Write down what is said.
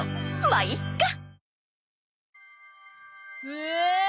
まあいっか！